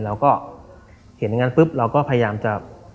เห็น้ำนั่นเปิ๊บปุ๊บเราก็พยายามจะ